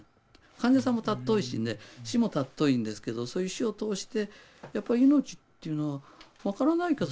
患者さんも尊いし死も尊いんですけどそういう死を通してやっぱり命というのは分からないけどすごいなって。